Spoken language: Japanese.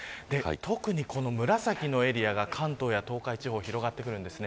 特に紫のエリアが関東や東海地方に広がってきます。